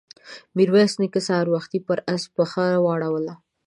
ميرويس نيکه سهار وختي پر آس پښه واړوله.